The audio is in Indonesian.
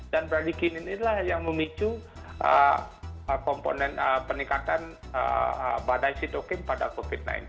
dan bradikinin ini lah yang memicu komponen peningkatan badai sitokin pada covid sembilan belas